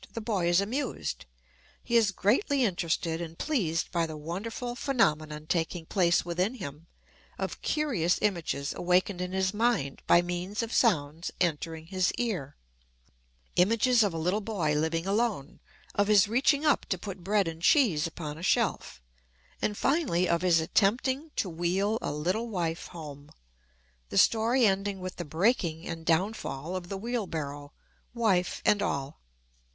The boy is amused. He is greatly interested and pleased by the wonderful phenomenon taking place within him of curious images awakened in his mind by means of sounds entering his ear images of a little boy living alone, of his reaching up to put bread and cheese upon a shelf, and finally of his attempting to wheel a little wife home the story ending with the breaking and downfall of the wheelbarrow, wife and all.